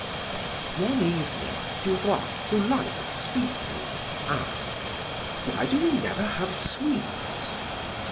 One evening Du Roy, who liked sweetmeats, asked: "Why do we never have sweets?"